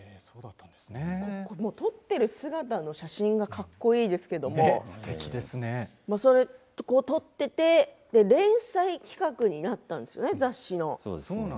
撮ってる姿の写真がかっこいいですけれども撮っていて連載企画になったんですよね、雑誌の。